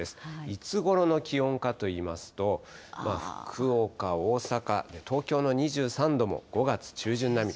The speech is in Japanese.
いつごろの気温かといいますと、福岡、大阪、東京の２３度も５月中旬並み。